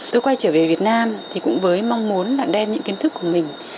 tôi quay trở về việt nam thì cũng với mong muốn là đem những kiến thức của mình